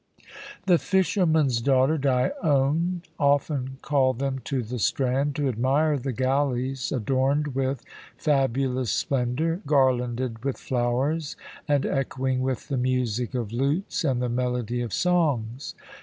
The fisherman's daughter, Dione, often called them to the strand to admire the galleys adorned with fabulous splendour, garlanded with flowers, and echoing with the music of lutes and the melody of songs.